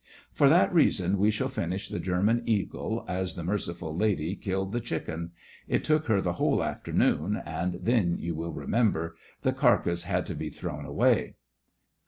] For that reason, we shall finish the German eagle as the mer ciful lady killed the chicken. It took her the whole afternoon, and then, you will remember, the carcase had to be thrown away.